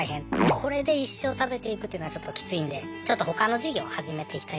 これで一生食べていくというのはちょっときついんでちょっと他の事業を始めていきたいなっていう。